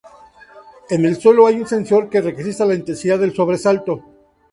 En el suelo hay un sensor que registra la intensidad del sobresalto.